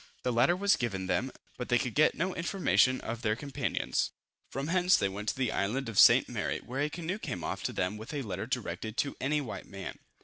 The latter was given them, but they could get no information of their companions. From hence they went to the island of St. Mary, where a canoe came off to them with a letter directed to any white man.